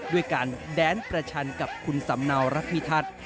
ด้วยการแดนประชันกับคุณสำเนารัฐพิทัศน์